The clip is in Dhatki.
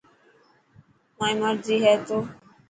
مائي مرضي هي ته.